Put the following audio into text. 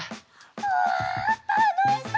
うわたのしそう！